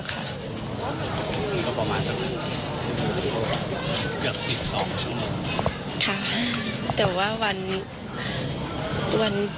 แต่ว่าวันอังคารจะนานกว่านี้